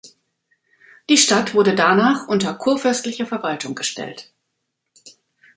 Die Stadt wurde danach unter kurfürstliche Verwaltung gestellt.